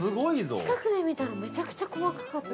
◆近くで見たら、めちゃくちゃ細かかった。